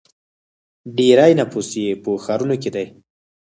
ډیری نفوس یې په ښارونو کې دی.